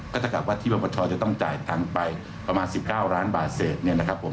ก็ถ้าเกิดว่าที่ประชาจะต้องจ่ายทางไปประมาณ๑๙ล้านบาทเศษนะครับผม